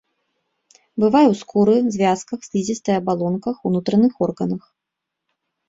Бывае ў скуры, звязках, слізістай абалонках, унутраных органах.